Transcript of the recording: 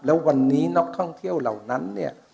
แล้ววันนี้นักท่องเที่ยวเหล่านั้นเนี่ย